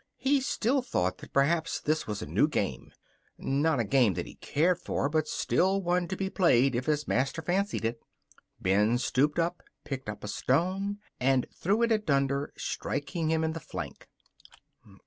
He still thought that perhaps this was a new game. Not a game that he cared for, but still one to be played if his master fancied it. Ben stooped, picked up a stone, and threw it at Dunder, striking him in the flank.